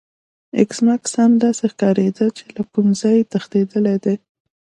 ایس میکس هم داسې ښکاریده چې له کوم ځای تښتیدلی دی